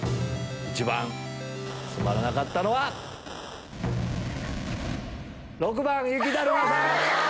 一番つまらなかったのは⁉６番雪だるまさん！